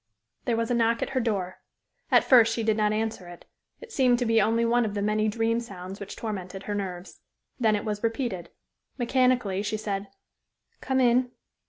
There was a knock at her door. At first she did not answer it. It seemed to be only one of the many dream sounds which tormented her nerves. Then it was repeated. Mechanically she said "Come in."